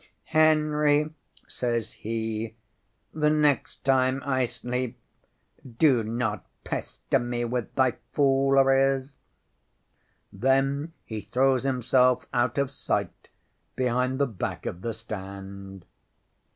ŌĆ£Henry, ŌĆØ says he, ŌĆ£the next time I sleep, do not pester me with thy fooleries. ŌĆØ Then he throws himself out of sight behind the back of the stand.